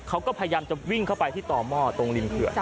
เฮ้ยเฮ้ยเฮ้ยเฮ้ย